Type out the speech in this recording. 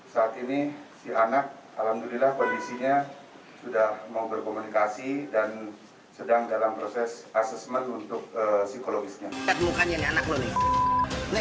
saat ini si anak alhamdulillah kondisinya sudah mau berkomunikasi dan sedang dalam proses asesmen untuk psikologisnya